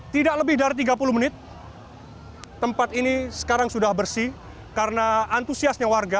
tidak lebih dari tiga puluh menit tempat ini sekarang sudah bersih karena antusiasnya warga